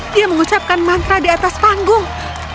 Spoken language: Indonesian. dia mengucapkan mantra di atas panggung